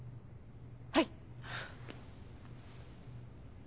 はい。